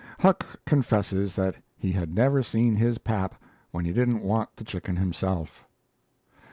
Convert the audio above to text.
Huck confesses that he had never seen his Pap when he didn't want the chicken himself!